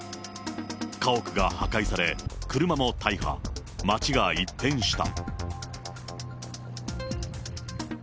家屋が破壊され、車も大破、町が一変した。